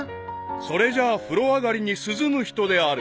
［それじゃ風呂上がりに涼む人である］